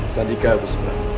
sandika gusti braw